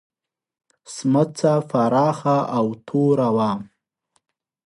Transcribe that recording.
سمڅه پراخه او توره وه.